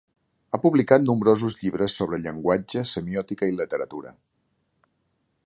Ha publicat nombrosos llibres sobre llenguatge, semiòtica i literatura.